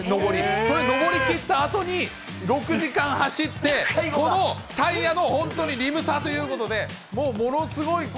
それを上りきったあとに６時間走って、このタイヤの本当にリム差ということで、もうものすごい。